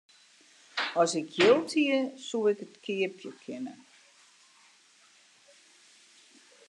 As ik jild hie, soe ik it keapje kinne.